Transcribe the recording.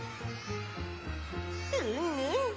うんうん。